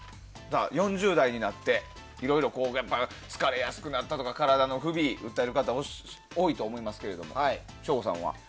４０代になっていろいろと疲れやすくなったとか体の不備を訴える方が多いと思いますが省吾さんは。